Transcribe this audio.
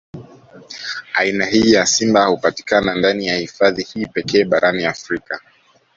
Aina hii ya simba hupatikana ndani ya hifadhi hii pekee barani Afrika